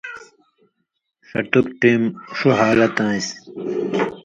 ݜتُک ٹېم ݜُو حالت آن٘سیۡ